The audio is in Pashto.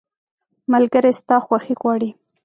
ملګری ستا خوښي غواړي.